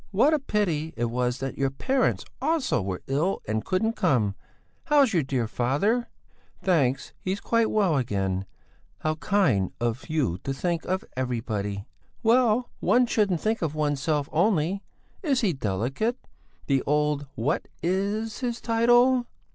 "What a pity it was that your parents, also, were ill and couldn't come! How's your dear father?" "Thanks. He's quite well again. How kind of you to think of everybody!" "Well, one shouldn't think of oneself only! Is he delicate, the old what is his title?"